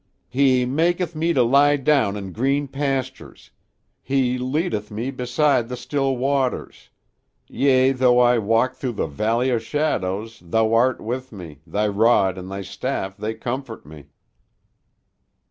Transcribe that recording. "'He maketh me to lie down in green pastures: He leadeth me beside the still waters.... Yea, though I walk through the valley of shadows, thou art with me, thy rod and thy staff they comfort me.'"